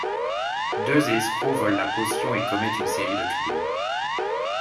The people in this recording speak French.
Deux escrocs volent la potion et commettent une série de crimes.